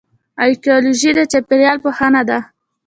ایکیولوژي د چاپیریال پوهنه ده